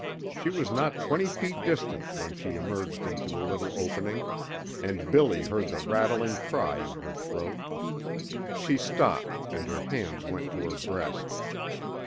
She was not twenty feet distant when she emerged into the little opening, and Billy heard the rattling cry in her throat. She stopped, and her hands went to her breast.